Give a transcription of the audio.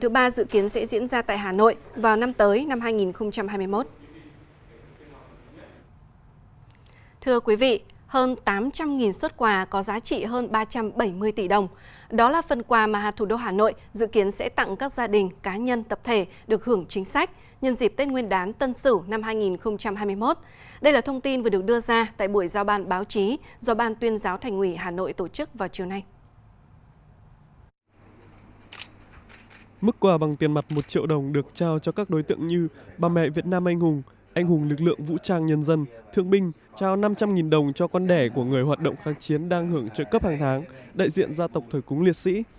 bà mẹ việt nam anh hùng anh hùng lực lượng vũ trang nhân dân thương binh trao năm trăm linh đồng cho con đẻ của người hoạt động kháng chiến đang hưởng trợ cấp hàng tháng đại diện gia tộc thời cúng liệt sĩ